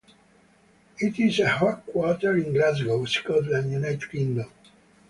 It is headquartered in Glasgow, Scotland, United Kingdom.